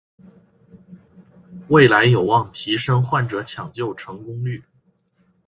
未来有望提升患者抢救成功率